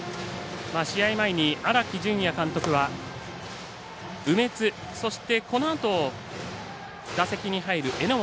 試合前に荒木準也監督は梅津、このあと打席に入る榎本